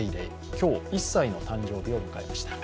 今日１歳の誕生日を迎えました。